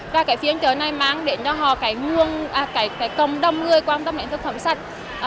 và cái phiên chợ này mang đến cho họ cái cộng đồng người quan tâm đến thực phẩm sạch